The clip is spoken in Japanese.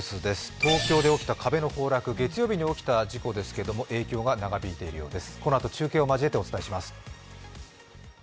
東京で起きた壁の崩落、月曜日に起きた事故ですけれども影響が長引いているようです。